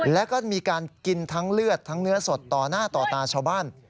แล้วก็มีการกินทั้งเลือดทั้งเนื้อสดต่อหน้าต่อตาชาวบ้าน